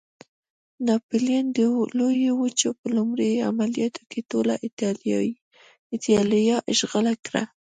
ناپلیون د لویې وچې په لومړي عملیاتو کې ټوله اېټالیا اشغال کړه.